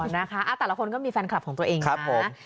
นะคะแต่ละคนก็มีแฟนคลับของตัวเองนะ